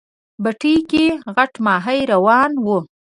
بتۍ کې غټ ماهی روان و.